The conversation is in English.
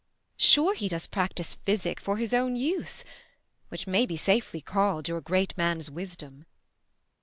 Sure he does practise physic for his own use, Which may be safely call'd your great man's wisdom.